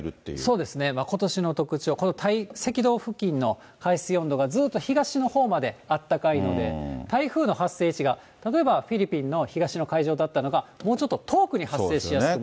そうですね、ことしの特徴、この赤道付近の海水温度がずっと東のほうまで暖かいので、台風の発生位置が、例えばフィリピンの東の海上だったのが、もうちょっと遠くに発生しやすくなっている。